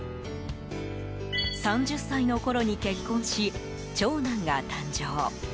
３０歳のころに結婚し長男が誕生。